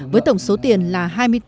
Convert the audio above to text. với tổng số tiền là